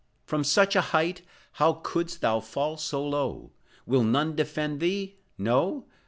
From such a height how couldst thou fall so low? Will none defend thee? No?